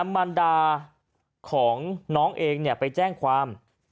มันดาของน้องเองไปแจ้งความ